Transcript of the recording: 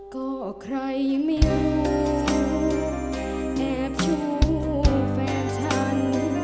ก็ใครไม่รู้แอบชู้แฟนฉัน